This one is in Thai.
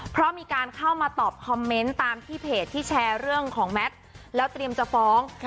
เพราะมีการเข้ามาตอบคอมเมนต์ตามที่เพจที่แชร์เรื่องของแมทแล้วเตรียมจะฟ้อง